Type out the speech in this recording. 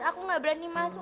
aku gak berani masuk